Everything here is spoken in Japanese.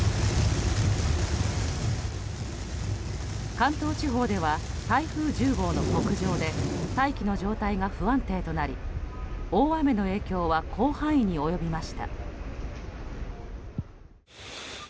関東地方では台風１０号の北上で大気の状態が不安定となり大雨の影響は広範囲に及びました。